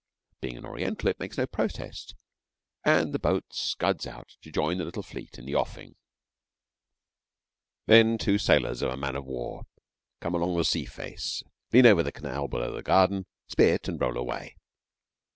Being an Oriental it makes no protest, and the boat scuds out to join the little fleet in the offing. Then two sailors of a man of war come along the sea face, lean over the canal below the garden, spit, and roll away.